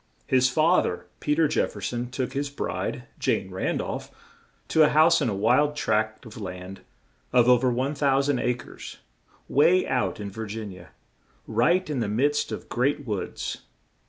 His fa ther, Pe ter Jef fer son, took his bride, Jane Ran dolph, to a house on a wild tract of land of o ver 1,000 a cres, way out in Vir gin ia, right in the midst of great woods.